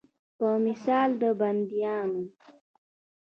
په مثال د بندیوان.